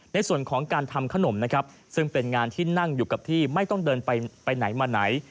ในส่วนของการทำขนมนะครับซึ่งเป็นงานที่นั่งอยู่กับที่ไม่ต้องเดินไปไหนมาไหน